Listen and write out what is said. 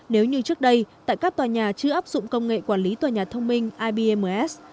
nếu như trước đây tại các tòa nhà chưa áp dụng công nghệ quản lý tòa nhà thông minh ibms